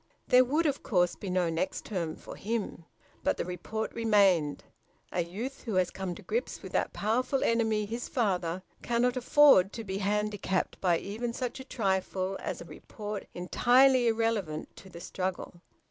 There would of course be no "next term" for him, but the report remained. A youth who has come to grips with that powerful enemy, his father, cannot afford to be handicapped by even such a trifle as a report entirely irrelevant to the struggle.